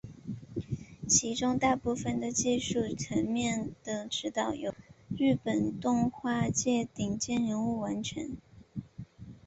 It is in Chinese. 其中大部分的技术层面的指导由日本动画界顶尖人物完成。